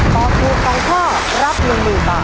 ตอบถูก๒ข้อรับ๑๐๐๐บาท